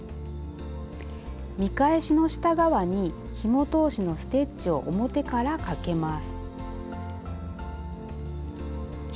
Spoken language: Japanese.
見返しの下側にひも通しのステッチを表からかけます。